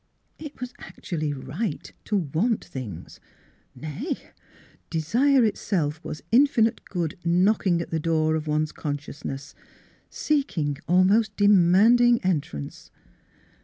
It was actu ally right to want things ! Nay, desire itself was Infinite Good knocking at the door of one's con sciousness — seeking, almost demanding, entrance.